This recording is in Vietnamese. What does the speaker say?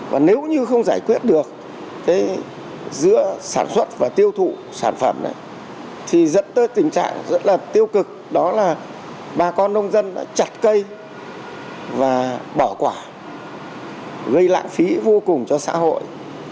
và nếu như không giải quyết được giữa sản xuất và tiêu thụ sản phẩm này thì dẫn tới tình trạng rất là tiêu cực đó là bà con nông dân đã chặt cây và bỏ quả gây lãng phí vô cùng cho xã hội